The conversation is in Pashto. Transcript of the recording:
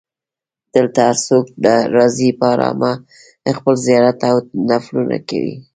دلته هر څوک راځي په ارامه خپل زیارت او نفلونه کوي.